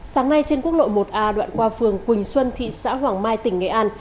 sáng nay trên quốc lộ một a đoạn qua phường quỳnh xuân thị xã hoàng mai tỉnh nghệ an